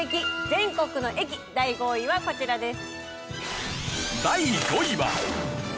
全国の駅第５位はこちらです。